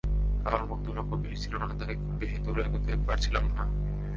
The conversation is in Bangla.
আবার মূলধনও খুব বেশি ছিল না, তাই বেশি দূর এগোতে পারছিলাম না।